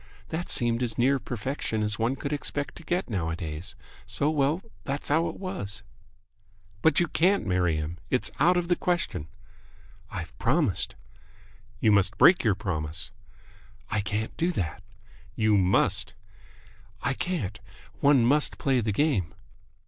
That seemed as near perfection as one could expect to get nowadays, so well, that's how it was." "But you can't marry him! It's out of the question!" "I've promised." "You must break your promise." "I can't do that." "You must!" "I can't. One must play the game."